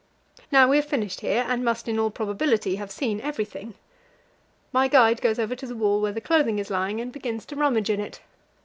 Now we have finished here, and must in all probability have seen everything. My guide goes over to the wall where the clothing is lying and begins to rummage in it.